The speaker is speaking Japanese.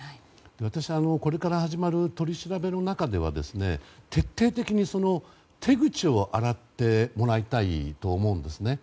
私は、これから始まる取り調べの中では徹底的に手口を洗ってもらいたいと思うんです。